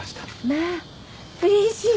まあうれしい。